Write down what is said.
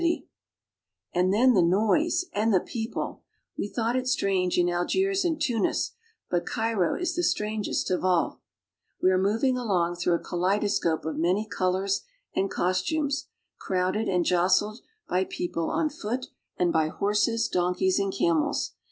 "Now our donkey boys are ready ..." And then the noise and the people ! Wc thought it strange in Algiers and Tunis, but Cairo is strangest of all. We are moving along through a kaleidoscope of many colors an^ costumes, crowded and jostled by people on foot, and by horses, donkeys, and camels.